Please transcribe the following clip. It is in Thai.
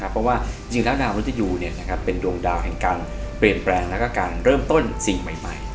เพราะว่าจริงแล้วดาวมรุษยูเป็นดวงดาวแห่งการเปลี่ยนแปลงแล้วก็การเริ่มต้นสิ่งใหม่